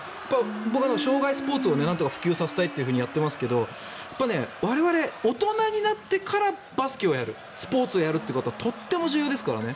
僕は生涯スポーツを普及させたいってやっていますけど我々、大人になってからバスケをやる、スポーツをやることはとても重要ですからね。